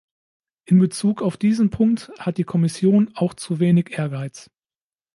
In Bezug auf diesen Punkt hat die Kommission auch zu wenig Ehrgeiz.